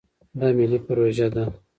دا ملي پروژه ده.